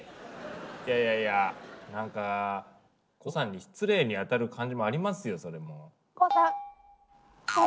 いやいやいやなんか胡さんに失礼に当たる感じもありますよ。